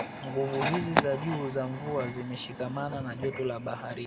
Nguvu hizi za juu za mvua zimeshikamana na joto la baharini